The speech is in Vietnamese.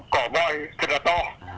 cỏ bòi thật là to